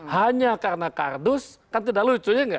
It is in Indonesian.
hanya karena kardus kan tidak lucu ya enggak